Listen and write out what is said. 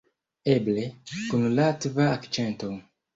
Eble, kun latva akĉento.